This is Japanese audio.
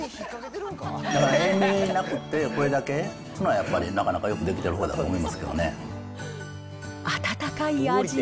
塩味なくて、これだけっていうのは、やっぱりなかなかよくできてるほうだと思いますけどね。